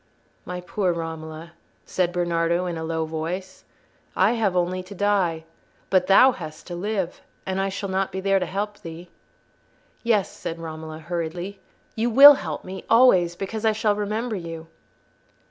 "My poor Romola," said Bernardo, in a low voice, "I have only to die, but thou hast to live—and I shall not be there to help thee." "Yes," said Romola, hurriedly, "you will help me—always—because I shall remember you."